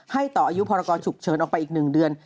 ต่ออายุพรกรฉุกเฉินออกไปอีก๑เดือน